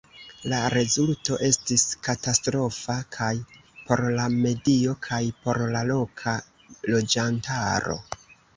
La rezulto estis katastrofa kaj por la medio kaj por la loka loĝantaro.